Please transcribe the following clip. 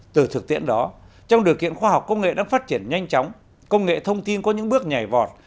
từ thực tiễn đó trong điều kiện khoa học công nghệ đang phát triển nhanh chóng công nghệ thông tin có những bước nhảy vọt